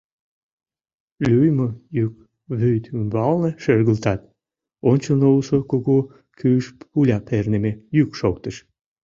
Лӱйымӧ йӱк вӱд ӱмбалне шергылтат, ончылно улшо кугу кӱыш пуля перныме йӱк шоктыш.